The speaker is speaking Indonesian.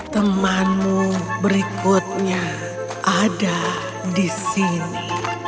temanmu berikutnya ada di sini